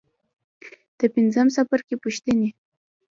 د پنځم څپرکي پوښتنې.